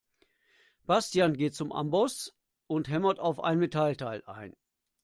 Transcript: Bastian geht zum Amboss und hämmert auf ein Metallteil ein.